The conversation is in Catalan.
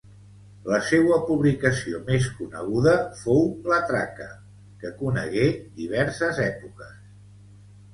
La seua publicació més coneguda fou La Traca, que conegué diverses èpoques.